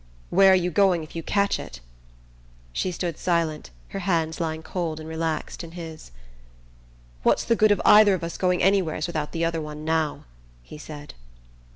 "Where are you going if you catch it?" She stood silent, her hands lying cold and relaxed in his. "What's the good of either of us going anywheres without the other one now?" he said.